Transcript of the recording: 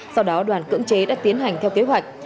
sau đó đoàn cưỡng chế đã tiến hành theo kế hoạch